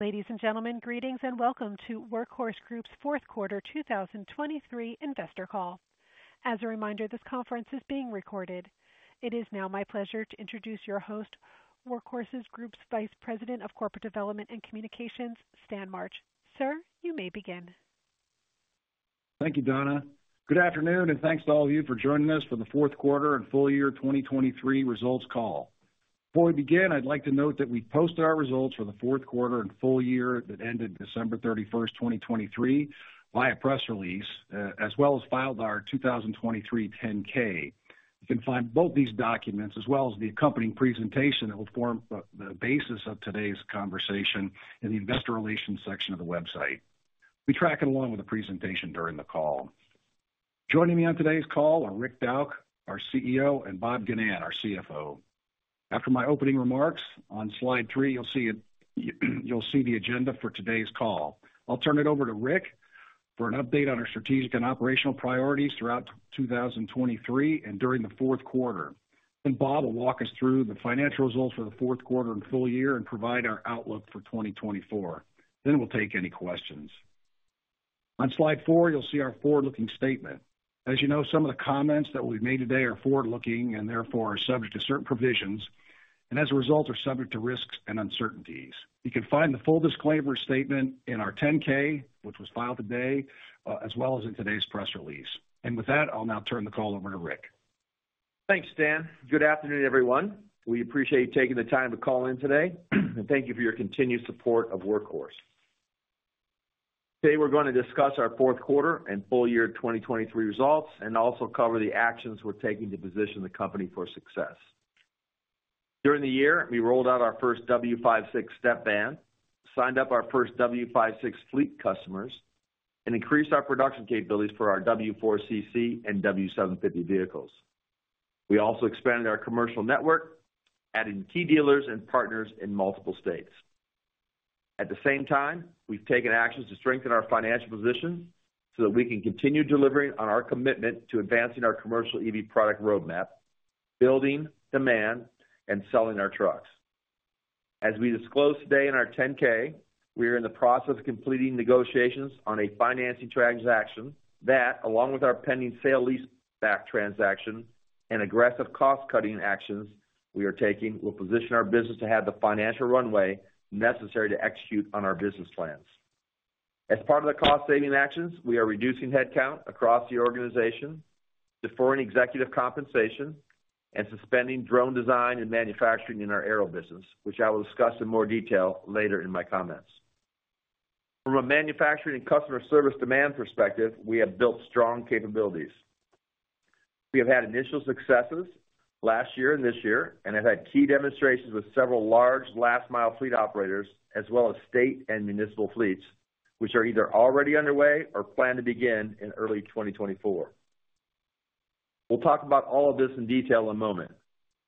Ladies and gentlemen, greetings and welcome to Workhorse Group's Q4 2023 investor call. As a reminder, this conference is being recorded. It is now my pleasure to introduce your host, Workhorse Group's Vice President of Corporate Development and Communications, Stan March. Sir, you may begin. Thank you, Donna. Good afternoon, and thanks to all of you for joining us for the Q4 and full year 2023 results call. Before we begin, I'd like to note that we posted our results for the Q4 and full year that ended December 31, 2023, via press release, as well as filed our 2023 10-K. You can find both these documents as well as the accompanying presentation that will form the basis of today's conversation in the investor relations section of the website. We track it along with the presentation during the call. Joining me on today's call are Rick Dauch, our CEO, and Bob Ginnan, our CFO. After my opening remarks on slide 3, you'll see the agenda for today's call. I'll turn it over to Rick for an update on our strategic and operational priorities throughout 2023 and during the Q4. Bob will walk us through the financial results for the Q4 and full year and provide our outlook for 2024. Then we'll take any questions. On slide 4, you'll see our forward-looking statement. As you know, some of the comments that will be made today are forward-looking and therefore are subject to certain provisions, and as a result, are subject to risks and uncertainties. You can find the full disclaimer statement in our 10-K, which was filed today, as well as in today's press release. With that, I'll now turn the call over to Rick. Thanks, Stan. Good afternoon, everyone. We appreciate you taking the time to call in today, and thank you for your continued support of Workhorse. Today we're going to discuss our Q4 and full year 2023 results and also cover the actions we're taking to position the company for success. During the year, we rolled out our first W56 step van, signed up our first W56 fleet customers, and increased our production capabilities for our W4CC and W750 vehicles. We also expanded our commercial network, adding key dealers and partners in multiple states. At the same time, we've taken actions to strengthen our financial positions so that we can continue delivering on our commitment to advancing our commercial EV product roadmap, building demand, and selling our trucks. As we disclose today in our 10-K, we are in the process of completing negotiations on a financing transaction that, along with our pending sale-leaseback transaction and aggressive cost-cutting actions we are taking, will position our business to have the financial runway necessary to execute on our business plans. As part of the cost-saving actions, we are reducing headcount across the organization, deferring executive compensation, and suspending drone design and manufacturing in our aero business, which I will discuss in more detail later in my comments. From a manufacturing and customer service demand perspective, we have built strong capabilities. We have had initial successes last year and this year, and have had key demonstrations with several large last-mile fleet operators, as well as state and municipal fleets, which are either already underway or plan to begin in early 2024. We'll talk about all of this in detail in a moment,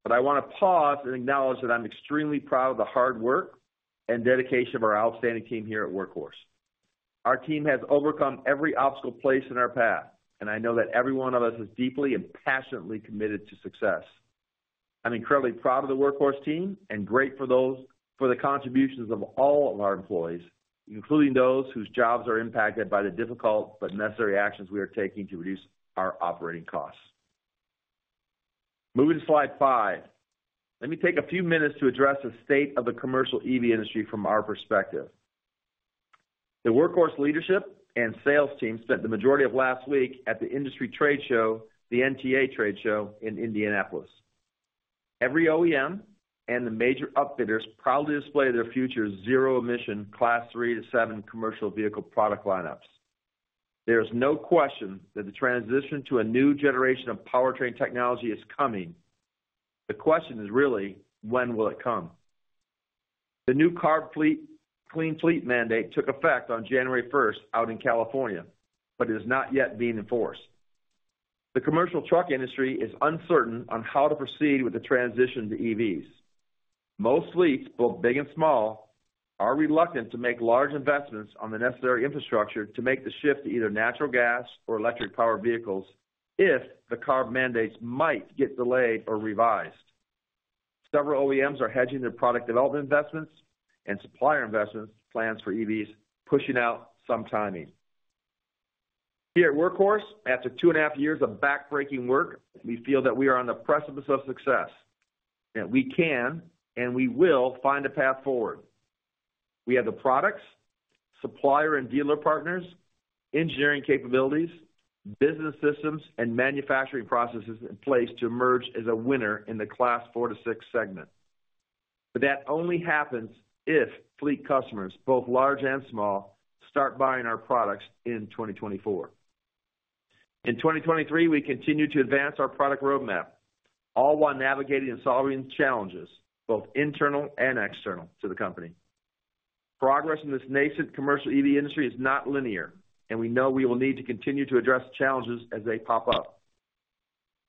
but I want to pause and acknowledge that I'm extremely proud of the hard work and dedication of our outstanding team here at Workhorse. Our team has overcome every obstacle placed in our path, and I know that every one of us is deeply and passionately committed to success. I'm incredibly proud of the Workhorse team and grateful for the contributions of all of our employees, including those whose jobs are impacted by the difficult but necessary actions we are taking to reduce our operating costs. Moving to slide five, let me take a few minutes to address the state of the commercial EV industry from our perspective. The Workhorse leadership and sales team spent the majority of last week at the Industry Trade Show, the NTEA Trade Show, in Indianapolis. Every OEM and the major upfitters proudly display their future zero-emission, Class 3 to 7 commercial vehicle product lineups. There is no question that the transition to a new generation of powertrain technology is coming. The question is really, when will it come? The new CARB Clean Fleet mandate took effect on January 1st out in California, but it is not yet being enforced. The commercial truck industry is uncertain on how to proceed with the transition to EVs. Most fleets, both big and small, are reluctant to make large investments on the necessary infrastructure to make the shift to either natural gas or electric-powered vehicles if the CARB mandates might get delayed or revised. Several OEMs are hedging their product development investments and supplier investments, plans for EVs, pushing out some timing. Here at Workhorse, after two and a half years of backbreaking work, we feel that we are on the precipice of success, that we can and we will find a path forward. We have the products, supplier and dealer partners, engineering capabilities, business systems, and manufacturing processes in place to emerge as a winner in the Class four to six segment. But that only happens if fleet customers, both large and small, start buying our products in 2024. In 2023, we continue to advance our product roadmap, all while navigating and solving challenges, both internal and external, to the company. Progress in this nascent commercial EV industry is not linear, and we know we will need to continue to address challenges as they pop up.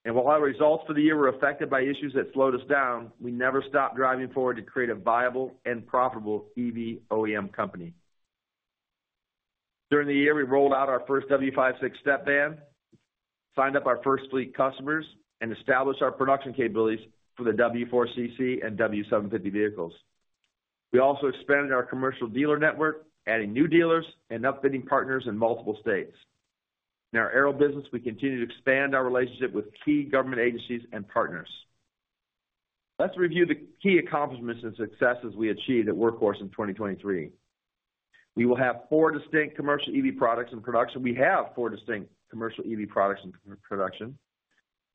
While our results for the year were affected by issues that slowed us down, we never stopped driving forward to create a viable and profitable EV OEM company. During the year, we rolled out our first W56 step van, signed up our first fleet customers, and established our production capabilities for the W4CC and W750 vehicles. We also expanded our commercial dealer network, adding new dealers and upfitting partners in multiple states. In our aero business, we continue to expand our relationship with key government agencies and partners. Let's review the key accomplishments and successes we achieved at Workhorse in 2023. We will have four distinct commercial EV products in production. We have four distinct commercial EV products in production.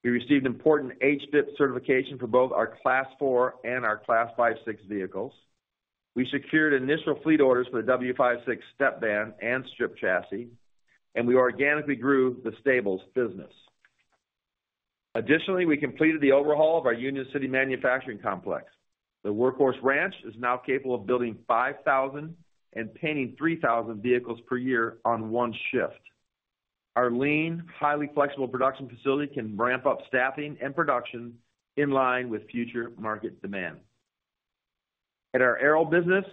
We received important HVIP certification for both our Class 4 and our Class 5/6 vehicles. We secured initial fleet orders for the W56 step van and strip chassis, and we organically grew the Stables business. Additionally, we completed the overhaul of our Union City manufacturing complex. The Workhorse Ranch is now capable of building 5,000 and painting 3,000 vehicles per year on one shift. Our lean, highly flexible production facility can ramp up staffing and production in line with future market demand. At our aero business,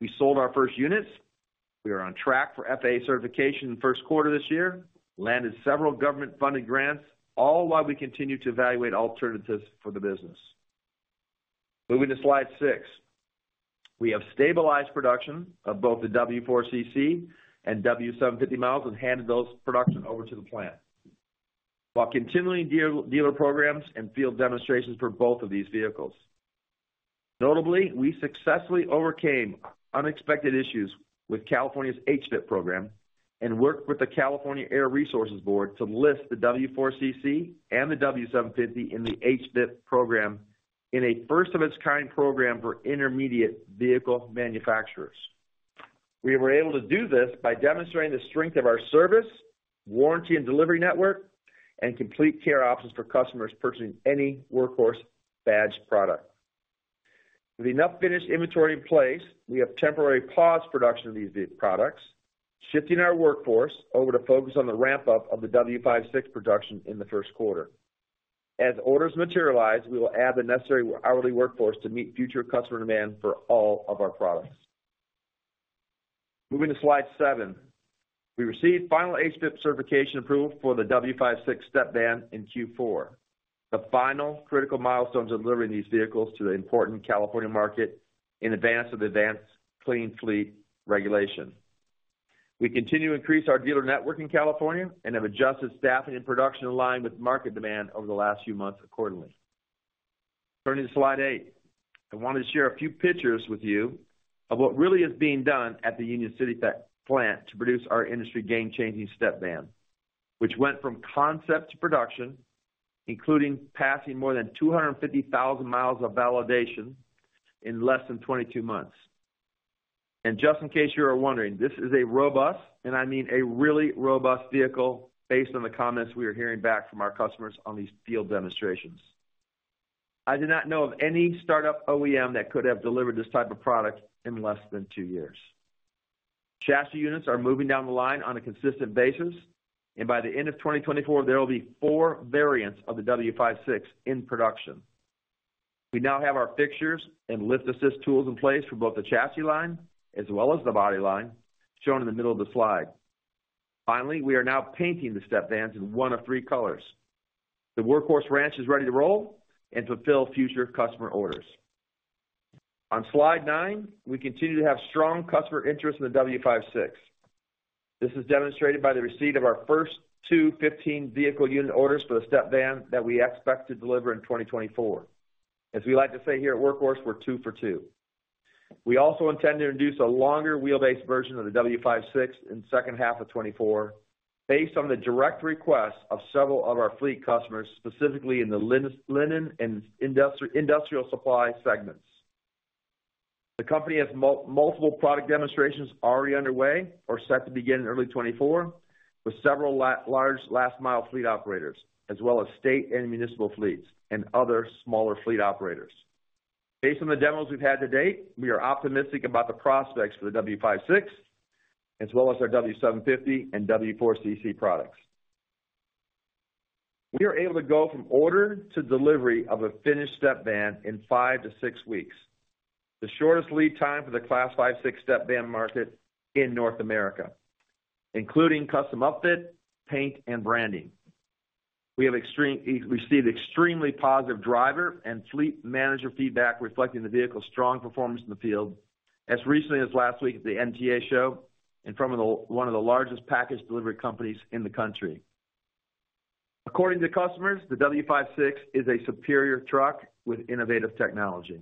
we sold our first units. We are on track for FAA certification in the Q1 this year, landed several government-funded grants, all while we continue to evaluate alternatives for the business. Moving to slide six, we have stabilized production of both the W4CC and W750 vans and handed those production over to the plant, while continuing dealer programs and field demonstrations for both of these vehicles. Notably, we successfully overcame unexpected issues with California's HVIP program and worked with the California Air Resources Board to list the W4CC and the W750 in the HVIP program in a first-of-its-kind program for intermediate vehicle manufacturers. We were able to do this by demonstrating the strength of our service, warranty, and delivery network, and complete care options for customers purchasing any Workhorse badge product. With enough finished inventory in place, we have temporarily paused production of these products, shifting our workforce over to focus on the ramp-up of the W56 production in the Q1. As orders materialize, we will add the necessary hourly workforce to meet future customer demand for all of our products. Moving to slide 7, we received final HVIP certification approval for the W56 step van in Q4, the final critical milestone delivering these vehicles to the important California market in advance of the Advanced Clean Fleet Regulation. We continue to increase our dealer network in California and have adjusted staffing and production in line with market demand over the last few months accordingly. Turning to slide 8, I wanted to share a few pictures with you of what really is being done at the Union City plant to produce our industry game-changing step van, which went from concept to production, including passing more than 250,000 miles of validation in less than 22 months. And just in case you are wondering, this is a robust, and I mean a really robust, vehicle based on the comments we are hearing back from our customers on these field demonstrations. I did not know of any startup OEM that could have delivered this type of product in less than two years. Chassis units are moving down the line on a consistent basis, and by the end of 2024, there will be four variants of the W56 in production. We now have our fixtures and lift assist tools in place for both the chassis line as well as the body line, shown in the middle of the slide. Finally, we are now painting the step vans in one of three colors. The Workhorse Ranch is ready to roll and fulfill future customer orders. On slide nine, we continue to have strong customer interest in the W56. This is demonstrated by the receipt of our first two 15-vehicle unit orders for the step van that we expect to deliver in 2024. As we like to say here at Workhorse, we're 2-for-2. We also intend to introduce a longer wheelbase version of the W56 in the H2 of 2024 based on the direct request of several of our fleet customers, specifically in the linen and industrial supply segments. The company has multiple product demonstrations already underway or set to begin in early 2024 with several large last-mile fleet operators, as well as state and municipal fleets and other smaller fleet operators. Based on the demos we've had to date, we are optimistic about the prospects for the W56 as well as our W750 and W4CC products. We are able to go from order to delivery of a finished step van in 5-6 weeks, the shortest lead time for the Class 5/6 step van market in North America, including custom upfit, paint, and branding. We have received extremely positive driver and fleet manager feedback reflecting the vehicle's strong performance in the field, as recently as last week at the NTEA Show in front of one of the largest package delivery companies in the country. According to customers, the W56 is a superior truck with innovative technology.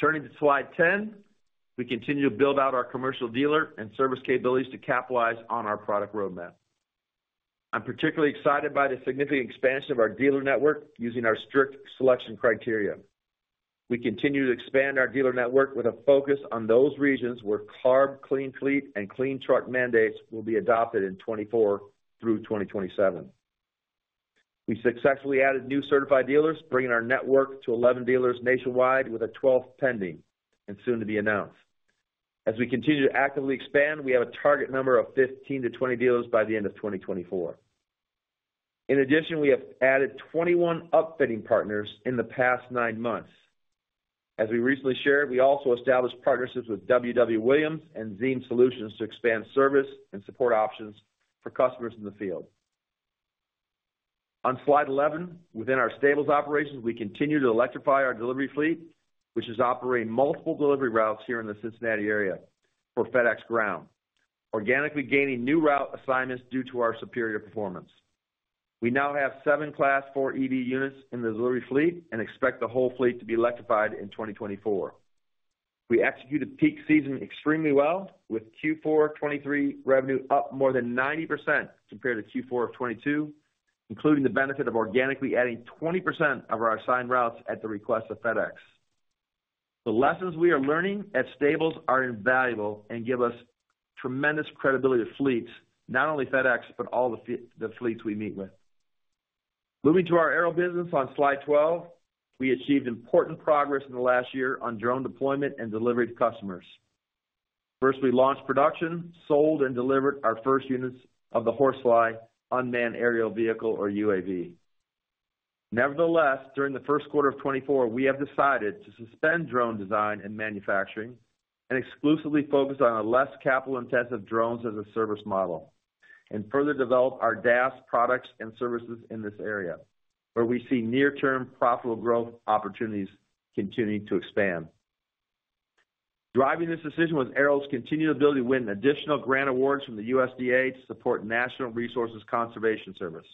Turning to slide 10, we continue to build out our commercial dealer and service capabilities to capitalize on our product roadmap. I'm particularly excited by the significant expansion of our dealer network using our strict selection criteria. We continue to expand our dealer network with a focus on those regions where CARB clean fleet and Clean Truck mandates will be adopted in 2024 through 2027. We successfully added new certified dealers, bringing our network to 11 dealers nationwide with a 12th pending and soon to be announced. As we continue to actively expand, we have a target number of 15-20 dealers by the end of 2024. In addition, we have added 21 upfitting partners in the past nine months. As we recently shared, we also established partnerships with W.W. Williams and Zeem Solutions to expand service and support options for customers in the field. On slide 11, within our Stables operations, we continue to electrify our delivery fleet, which is operating multiple delivery routes here in the Cincinnati area for FedEx Ground, organically gaining new route assignments due to our superior performance. We now have seven Class 4 EV units in the delivery fleet and expect the whole fleet to be electrified in 2024. We executed peak season extremely well, with Q4 2023 revenue up more than 90% compared to Q4 of 2022, including the benefit of organically adding 20% of our assigned routes at the request of FedEx. The lessons we are learning at Stables are invaluable and give us tremendous credibility to fleets, not only FedEx but all the fleets we meet with. Moving to our aero business on slide 12, we achieved important progress in the last year on drone deployment and delivery to customers. First, we launched production, sold, and delivered our first units of the HorseFly Unmanned Aerial Vehicle, or UAV. Nevertheless, during the Q1 of 2024, we have decided to suspend drone design and manufacturing and exclusively focus on less capital-intensive drones as a service model and further develop our DAS products and services in this area, where we see near-term profitable growth opportunities continuing to expand. Driving this decision was our continued ability to win additional grant awards from the USDA to support Natural Resources Conservation Service.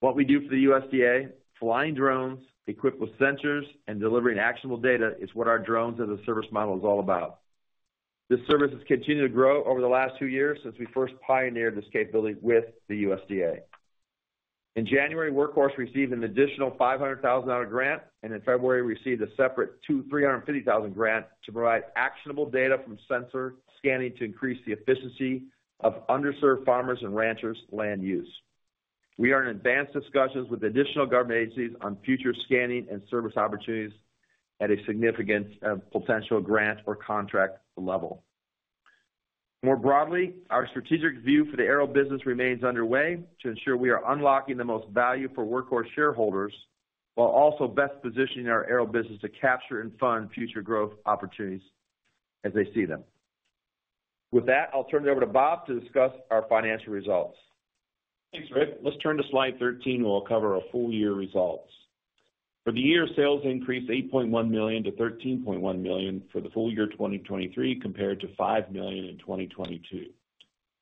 What we do for the USDA, flying drones equipped with sensors and delivering actionable data, is what our drones as a service model is all about. This service has continued to grow over the last two years since we first pioneered this capability with the USDA. In January, Workhorse received an additional $500,000 grant, and in February, we received a separate $350,000 grant to provide actionable data from sensor scanning to increase the efficiency of underserved farmers and ranchers' land use. We are in advanced discussions with additional government agencies on future scanning and service opportunities at a significant potential grant or contract level. More broadly, our strategic view for the aero business remains underway to ensure we are unlocking the most value for Workhorse shareholders while also best positioning our aero business to capture and fund future growth opportunities as they see them. With that, I'll turn it over to Bob to discuss our financial results. Thanks, Rick. Let's turn to slide 13, where we'll cover our full year results. For the year, sales increased $8.1 million to $13.1 million for the full year 2023 compared to $5 million in 2022,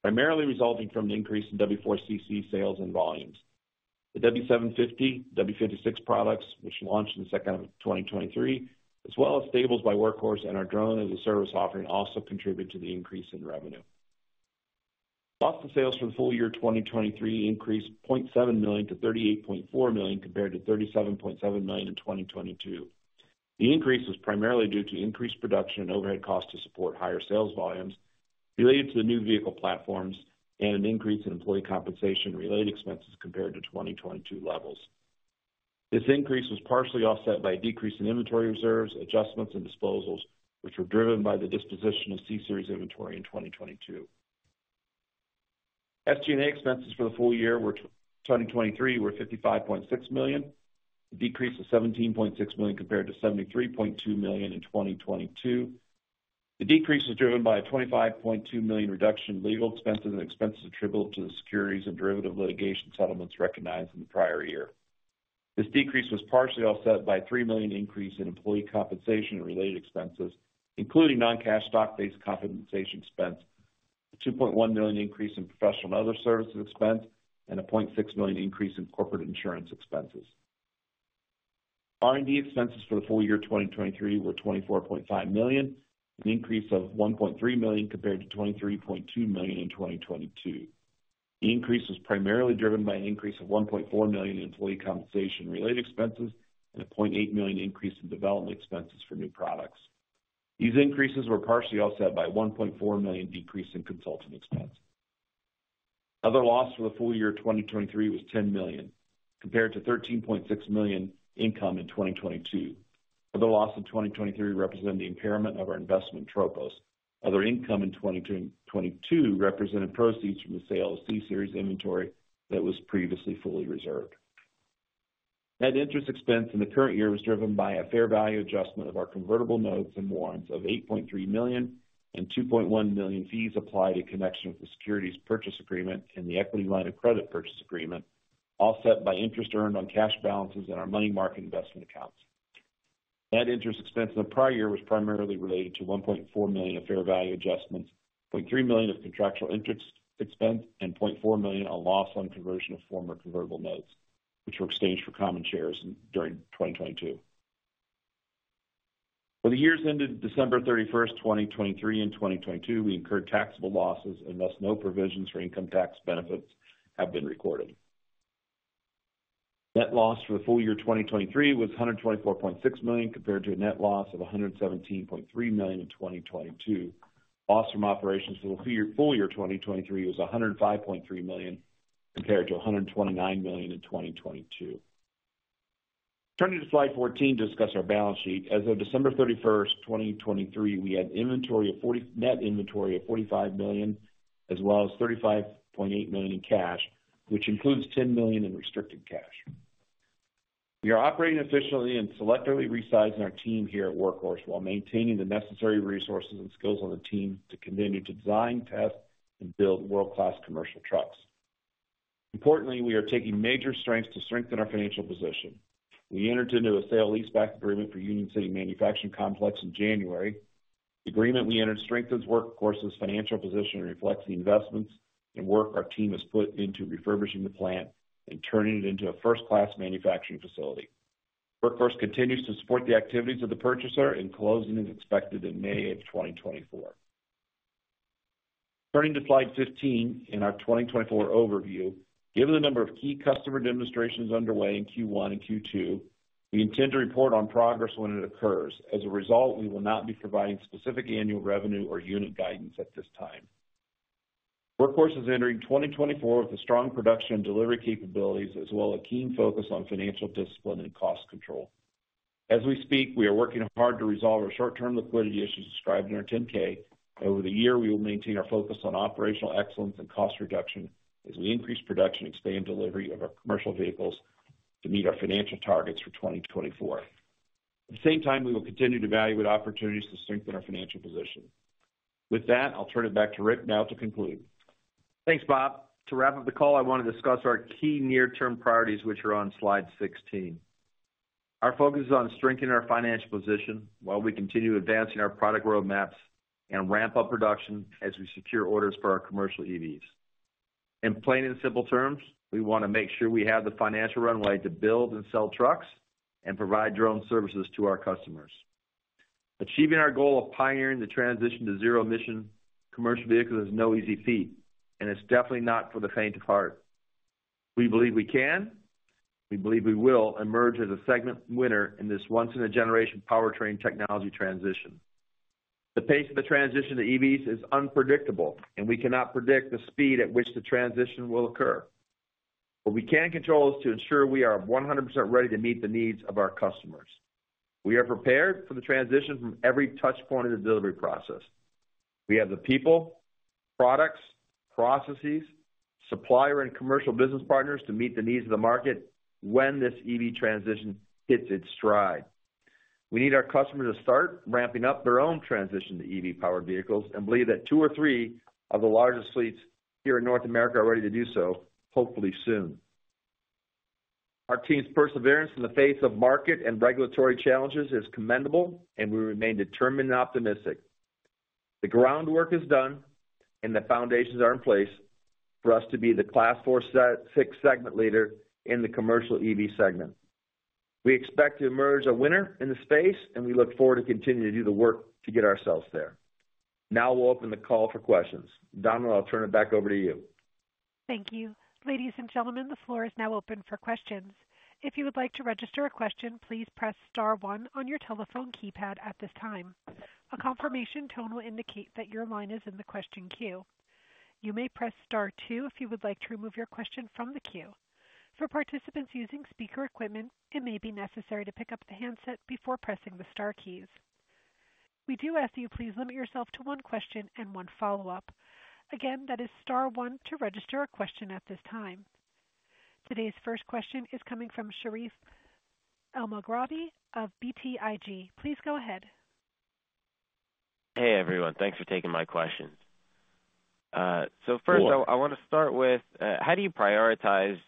primarily resulting from an increase in W4CC sales and volumes. The W750, W56 products, which launched in the H2 of 2023, as well as Stables by Workhorse and our drone as a service offering, also contributed to the increase in revenue. Cost of sales for the full year 2023 increased $0.7 million to $38.4 million compared to $37.7 million in 2022. The increase was primarily due to increased production and overhead costs to support higher sales volumes related to the new vehicle platforms and an increase in employee compensation-related expenses compared to 2022 levels. This increase was partially offset by a decrease in inventory reserves, adjustments, and disposals, which were driven by the disposition of C-Series inventory in 2022. SG&A expenses for the full year 2023 were $55.6 million, a decrease of $17.6 million compared to $73.2 million in 2022. The decrease was driven by a $25.2 million reduction in legal expenses and expenses attributable to the securities and derivative litigation settlements recognized in the prior year. This decrease was partially offset by a $3 million increase in employee compensation and related expenses, including non-cash stock-based compensation expense, a $2.1 million increase in professional and other services expense, and a $0.6 million increase in corporate insurance expenses. R&D expenses for the full year 2023 were $24.5 million, an increase of $1.3 million compared to $23.2 million in 2022. The increase was primarily driven by an increase of $1.4 million in employee compensation-related expenses and a $0.8 million increase in development expenses for new products. These increases were partially offset by a $1.4 million decrease in consultant expense. Other loss for the full year 2023 was $10 million compared to $13.6 million income in 2022. Other loss in 2023 represented the impairment of our investment in Tropos. Other income in 2022 represented proceeds from the sale of C-Series inventory that was previously fully reserved. Net interest expense in the current year was driven by a fair value adjustment of our convertible notes and warrants of $8.3 million and $2.1 million fees applied in connection with the securities purchase agreement and the equity line of credit purchase agreement, offset by interest earned on cash balances in our money market investment accounts. Net interest expense in the prior year was primarily related to $1.4 million of fair value adjustments, $0.3 million of contractual interest expense, and $0.4 million on loss on conversion of former convertible notes, which were exchanged for common shares during 2022. For the years ended December 31st, 2023, and 2022, we incurred taxable losses, and thus, no provisions for income tax benefits have been recorded. Net loss for the full year 2023 was $124.6 million compared to a net loss of $117.3 million in 2022. Loss from operations for the full year 2023 was $105.3 million compared to $129 million in 2022. Turning to slide 14 to discuss our balance sheet, as of December 31st, 2023, we had net inventory of $45 million as well as $35.8 million in cash, which includes $10 million in restricted cash. We are operating efficiently and selectively resizing our team here at Workhorse while maintaining the necessary resources and skills on the team to continue to design, test, and build world-class commercial trucks. Importantly, we are taking major strengths to strengthen our financial position. We entered into a sale-leaseback agreement for Union City Manufacturing Complex in January. The agreement we entered strengthens Workhorse's financial position and reflects the investments and work our team has put into refurbishing the plant and turning it into a first-class manufacturing facility. Workhorse continues to support the activities of the purchaser, and closing is expected in May of 2024. Turning to slide 15 in our 2024 overview, given the number of key customer demonstrations underway in Q1 and Q2, we intend to report on progress when it occurs. As a result, we will not be providing specific annual revenue or unit guidance at this time. Workhorse is entering 2024 with a strong production and delivery capabilities as well as a keen focus on financial discipline and cost control. As we speak, we are working hard to resolve our short-term liquidity issues described in our 10-K. Over the year, we will maintain our focus on operational excellence and cost reduction as we increase production, expand delivery of our commercial vehicles to meet our financial targets for 2024. At the same time, we will continue to evaluate opportunities to strengthen our financial position. With that, I'll turn it back to Rick now to conclude. Thanks, Bob. To wrap up the call, I want to discuss our key near-term priorities, which are on slide 16. Our focus is on strengthening our financial position while we continue advancing our product roadmaps and ramp up production as we secure orders for our commercial EVs. In plain and simple terms, we want to make sure we have the financial runway to build and sell trucks and provide drone services to our customers. Achieving our goal of pioneering the transition to zero-emission commercial vehicles is no easy feat, and it's definitely not for the faint of heart. We believe we can. We believe we will emerge as a segment winner in this once-in-a-generation powertrain technology transition. The pace of the transition to EVs is unpredictable, and we cannot predict the speed at which the transition will occur. What we can control is to ensure we are 100% ready to meet the needs of our customers. We are prepared for the transition from every touchpoint of the delivery process. We have the people, products, processes, supplier, and commercial business partners to meet the needs of the market when this EV transition hits its stride. We need our customers to start ramping up their own transition to EV-powered vehicles and believe that two or three of the largest fleets here in North America are ready to do so, hopefully soon. Our team's perseverance in the face of market and regulatory challenges is commendable, and we remain determined and optimistic. The groundwork is done, and the foundations are in place for us to be the Class 4/6 segment leader in the commercial EV segment. We expect to emerge a winner in the space, and we look forward to continuing to do the work to get ourselves there. Now we'll open the call for questions. Donna, I'll turn it back over to you. Thank you. Ladies and gentlemen, the floor is now open for questions. If you would like to register a question, please press star one on your telephone keypad at this time. A confirmation tone will indicate that your line is in the question queue. You may press star two if you would like to remove your question from the queue. For participants using speaker equipment, it may be necessary to pick up the handset before pressing the star keys. We do ask that you please limit yourself to one question and one follow-up. Again, that is star one to register a question at this time. Today's first question is coming from Sharif El Maghrabi of BTIG. Please go ahead. Hey, everyone. Thanks for taking my questions. So first, I want to start with how do you prioritize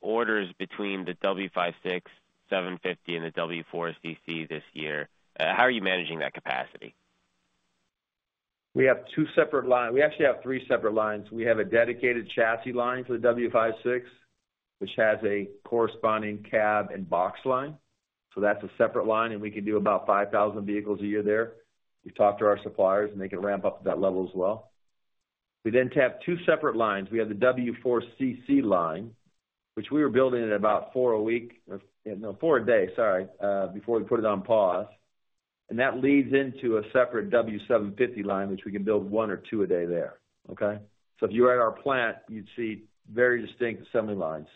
orders between the W56, W750, and the W4CC this year? How are you managing that capacity? We have 2 separate lines. We actually have 3 separate lines. We have a dedicated chassis line for the W56, which has a corresponding cab and box line. So that's a separate line, and we can do about 5,000 vehicles a year there. We've talked to our suppliers, and they can ramp up to that level as well. We then have 2 separate lines. We have the W4CC line, which we were building at about 4 a week, no, 4 a day, sorry, before we put it on pause. And that leads into a separate W750 line, which we can build 1 or 2 a day there. Okay? So if you were at our plant, you'd see very distinct assembly lines.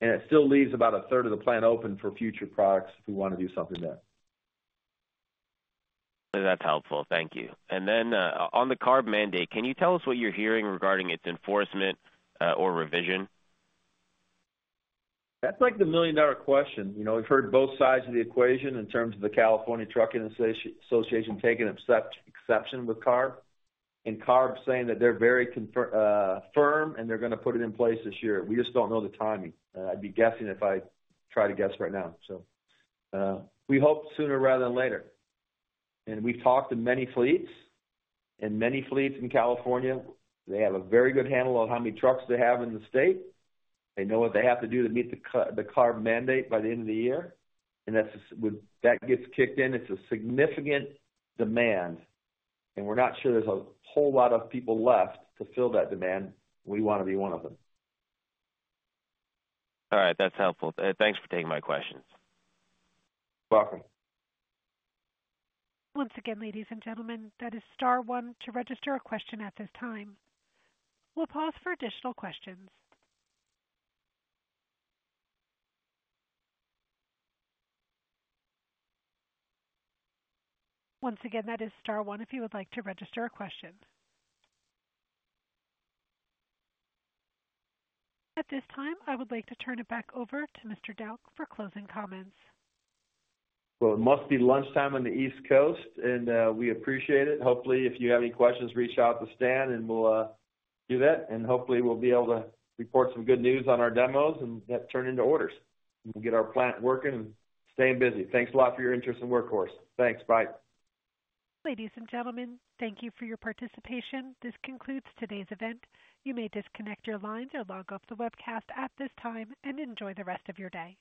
And it still leaves about a third of the plant open for future products if we want to do something there. That's helpful. Thank you. And then on the CARB mandate, can you tell us what you're hearing regarding its enforcement or revision? That's the million-dollar question. We've heard both sides of the equation in terms of the California Trucking Association taking exception with CARB and CARB saying that they're very firm and they're going to put it in place this year. We just don't know the timing. I'd be guessing if I try to guess right now, so. We hope sooner rather than later. And we've talked to many fleets. And many fleets in California, they have a very good handle on how many trucks they have in the state. They know what they have to do to meet the CARB mandate by the end of the year. And when that gets kicked in, it's a significant demand. And we're not sure there's a whole lot of people left to fill that demand. We want to be one of them. All right. That's helpful. Thanks for taking my questions. You're welcome. Once again, ladies and gentlemen, that is star one to register a question at this time. We'll pause for additional questions. Once again, that is star one if you would like to register a question. At this time, I would like to turn it back over to Mr. Dauch for closing comments. Well, it must be lunchtime on the East Coast, and we appreciate it. Hopefully, if you have any questions, reach out to Stan, and we'll do that. And hopefully, we'll be able to report some good news on our demos and get turned into orders. And we'll get our plant working and staying busy. Thanks a lot for your interest in Workhorse. Thanks. Bye. Ladies and gentlemen, thank you for your participation. This concludes today's event. You may disconnect your lines or log off the webcast at this time and enjoy the rest of your day.